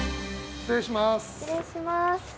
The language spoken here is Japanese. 失礼します。